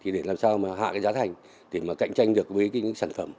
để làm sao hạ giá thành để cạnh tranh được với những sản phẩm